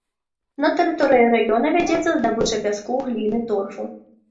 На тэрыторыі раёна вядзецца здабыча пяску, гліны, торфу.